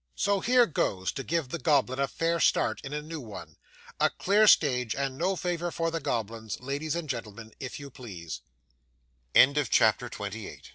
So here goes, to give the goblin a fair start in a new one. A clear stage and no favour for the goblins, ladies and gentlemen, if you pleas